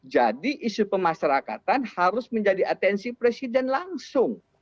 jadi isu pemasarakatan harus menjadi atensi presiden langsung